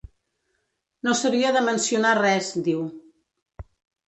No s’havia de mencionar res, diu.